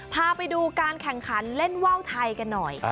พาไปดูการแข่งขันเล่นว่าวไทยกันหน่อย